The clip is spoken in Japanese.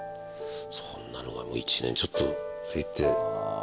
そんなのがもう１年ちょっと続いて。